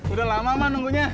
udah lama ma nunggunya